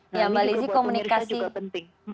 ini juga buat penirsa juga penting